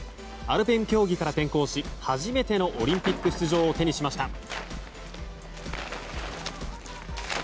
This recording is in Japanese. アルペン競技から転向し初めてのオリンピック出場を手にしました。